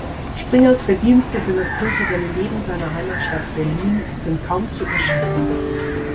Springers Verdienste für das kulturelle Leben seiner Heimatstadt Berlin sind kaum zu überschätzen.